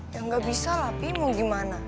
ya gak bisa lah pi mau gimana